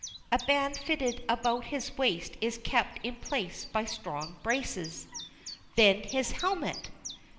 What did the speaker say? A band fitted about his waist is kept in place by strong braces. Then his helmet!